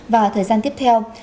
và thời gian tiếp theo